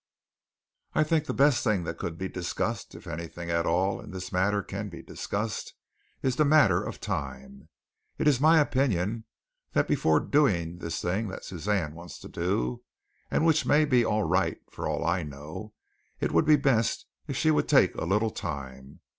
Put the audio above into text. I think the best thing that could be discussed, if anything at all in this matter can be discussed, is the matter of time. It is my opinion that before doing this thing that Suzanne wants to do, and which may be all right, for all I know, it would be best if she would take a little time.